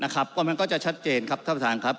ก็มันก็จะชัดเจนครับท่านประธานครับ